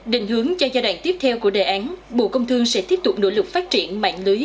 định hướng cho giai đoạn tiếp theo của đề án bộ công thương sẽ tiếp tục nỗ lực phát triển mạng lưới